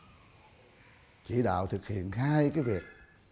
tôi chỉ đạo thực hiện hai cái việc